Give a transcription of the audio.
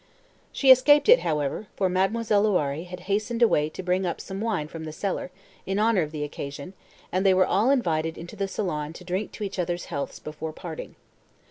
She escaped it, however, for Mademoiselle Loiré had hastened away to bring up some wine from the cellar, in honour of the occasion, and they were all invited into the salon to drink to each other's healths before parting.